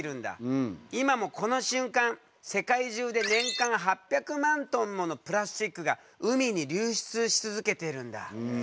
今もこの瞬間世界中で年間８００万トンものプラスチックが海に流出し続けてるんだ。